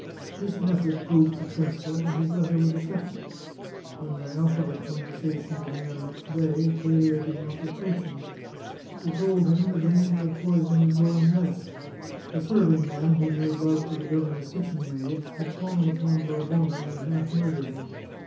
This method proved successful, and his letter was accepted. When their alphabet conversation began next day Clelia did not reproach him. She told him the danger of poison was growing less; the serving men who made love to the governor's kitchen maids had fallen upon Barbone and half murdered him.